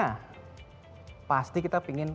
nah pasti kita ingin